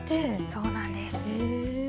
そうなんです。